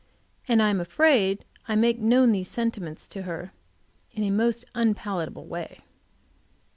And I am afraid I make known these sentiments to her in a most unpalatable way.